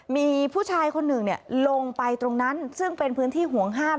มีผู้ชายคนหนึ่งลงไปตรงนั้นซึ่งเป็นพื้นที่ห่วงห้าม